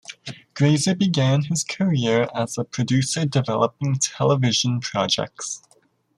Grazer began his career as a producer developing television projects.